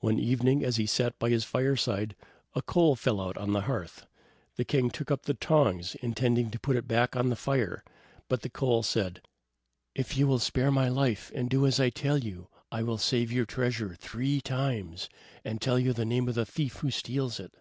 One evening, as he sat by his fireside, a coal fell out on the hearth. The king took up the tongs, intending to put it back on the fire, but the coal said: "If you will spare my life, and do as I tell you, I will save your treasure three times, and tell you the name of the thief who steals it."